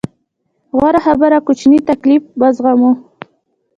غوره خبره کوچنی تکليف وزغمو.